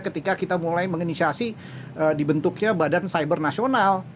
ketika kita mulai menginisiasi dibentuknya badan cyber nasional